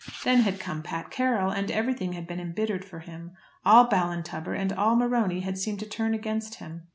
Then had come Pat Carroll, and everything had been embittered for him. All Ballintubber and all Morony had seemed to turn against him.